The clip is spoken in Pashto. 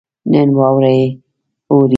نن واوره اوري